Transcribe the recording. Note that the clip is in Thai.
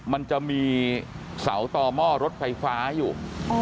มันจะมีเสาต่อหม้อรถไฟฟ้าอยู่